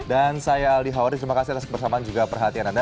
dan saya aldi hauri terima kasih atas kebersamaan juga perhatian anda